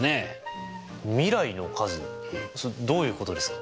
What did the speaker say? どういうことですか？